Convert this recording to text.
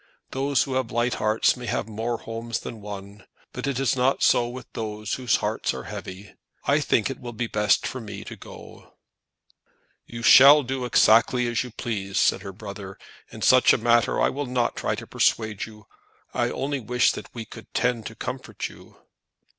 Those who have light hearts may have more homes than one; but it is not so with those whose hearts are heavy. I think it will be best for me to go." "You shall do exactly as you please," said her brother. "In such a matter I will not try to persuade you. I only wish that we could tend to comfort you."